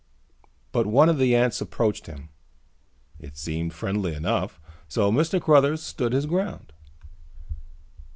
But one of the ants approached him. It seemed friendly enough, so Mr. Cruthers stood his ground.